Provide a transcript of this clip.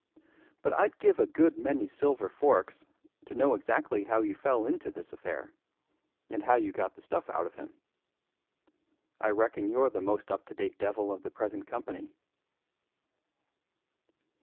But I'd give a good many silver forks to know exactly how you fell into this affair, and how you got the stuff out of him. I reckon you're the most up to date devil of the present company."